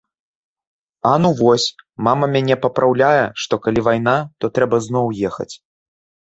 А ну вось, мама мяне папраўляе, што калі вайна, то трэба зноў ехаць.